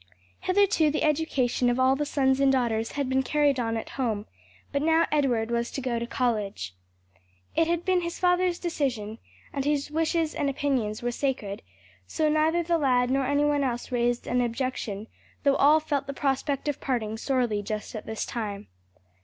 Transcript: Hitherto the education of all the sons and daughters had been carried on at home, but now Edward was to go to college. It had been his father's decision, and his wishes and opinions were sacred; so neither the lad nor any one else raised an objection, though all felt the prospect of parting sorely just at this time.